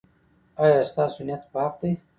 ایا ستاسو نیت پاک دی؟